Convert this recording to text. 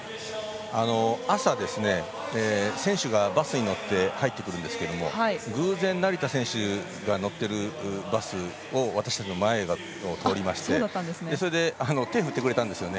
朝、選手がバスに乗って入ってくるんですけれども偶然成田選手が乗っているバスが私たちの前を通りましたので手を振ってくれたんですよね。